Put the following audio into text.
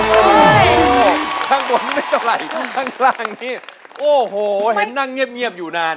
โอ้โหข้างบนไม่เท่าไหร่ข้างล่างนี้โอ้โหเห็นนั่งเงียบอยู่นาน